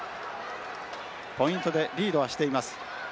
ポイントでリードはしています。